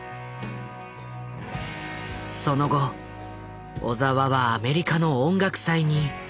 その後小澤はアメリカの音楽祭にタンを招待。